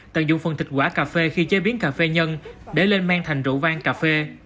tận dụng phần thịt quả cà phê khi chế biến cà phê nhân để lên men thành rượu vang cà phê